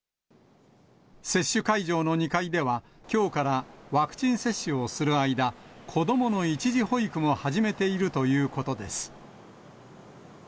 接種会場の２階では、きょうからワクチン接種をする間、子どもの一時保育も始めているということです。